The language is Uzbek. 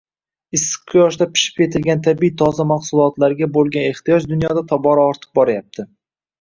issiq quyoshda pishib yetilgan tabiiy toza mahsulotlarga bo‘lgan ehtiyoj dunyoda tobora ortib boryapti